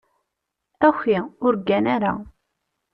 Aki, ur ggan ara.